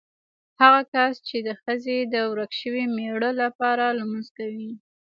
هغه کس چې د ښځې د ورک شوي مېړه لپاره لمونځ کوي.